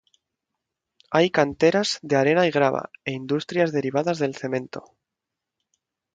Hay canteras de arena y grava, e industrias derivadas del cemento.